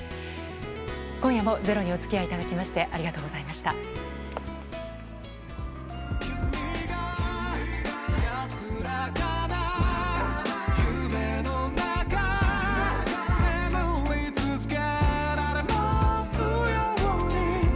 今夜も「ｚｅｒｏ」にお付き合いいただきましてありがとうございました。